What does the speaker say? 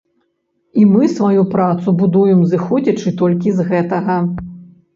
І мы сваю працу будуем зыходзячы толькі з гэтага.